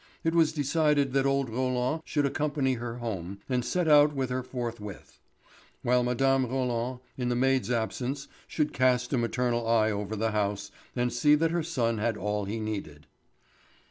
It was decided that old Roland should accompany her home and set out with her forthwith; while Mme. Roland, in the maid's absence, should cast a maternal eye over the house and see that her son had all he needed.